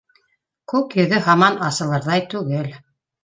Күк йөҙө һаман асылырҙай түгел